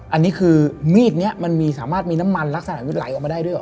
อันนี้คือมีดนี้มันมีสามารถมีน้ำมันลักษณะไหลออกมาได้ด้วยเหรอ